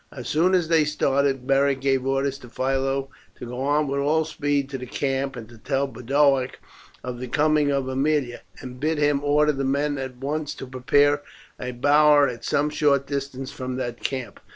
As soon as they started, Beric gave orders to Philo to go on with all speed to the camp, and to tell Boduoc of the coming of Aemilia, and bid him order the men at once to prepare a bower at some short distance from their camp.